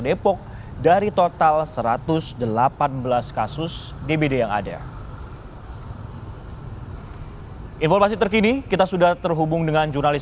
depok dari total satu ratus delapan belas kasus dbd yang ada informasi terkini kita sudah terhubung dengan jurnalis